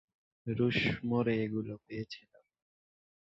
রুশমোরে এগুলো পেয়েছিলাম।